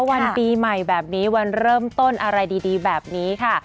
วันปีใหม่แบบนี้วันเริ่มต้นอะไรดีแบบนี้ค่ะ